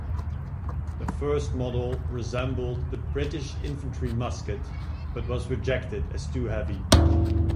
The first model resembled the British Infantry Musket, but was rejected as too heavy.